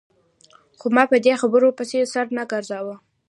خو ما په دې خبرو پسې سر نه ګرځاوه.